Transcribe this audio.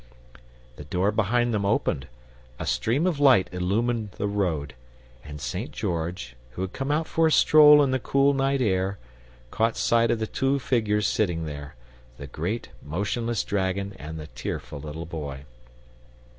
The door behind them opened, a stream of light illumined the road, and St. George, who had come out for a stroll in the cool night air, caught sight of the two figures sitting there the great motionless dragon and the tearful little Boy.